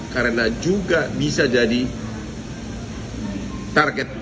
karena juga bisa jadi target tersebut